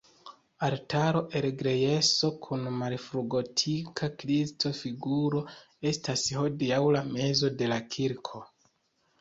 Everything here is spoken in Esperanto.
Altaro el grejso kun malfrugotika Kristo-figuro estas hodiaŭ la mezo de la kirko.